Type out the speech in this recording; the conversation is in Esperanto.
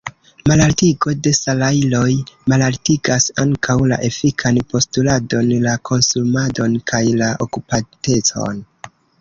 Malaltigo de salajroj malaltigas ankaŭ la efikan postuladon, la konsumadon kaj la okupatecon.